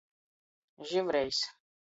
Žyvrejs.